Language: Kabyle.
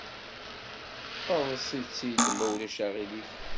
Eḍs‑itt-id ma ulac aɣilif!